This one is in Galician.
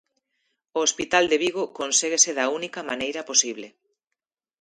O hospital de Vigo conséguese da única maneira posible.